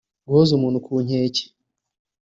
guhoza umuntu ku nkeke